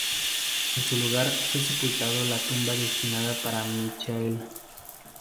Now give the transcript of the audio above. En su lugar, fue sepultado en la tumba destinada para Michael.